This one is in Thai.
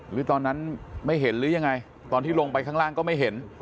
หรือตอนนั้นไม่เห็นหรือยังไงตอนที่ลงไปข้างล่างก็ไม่เห็น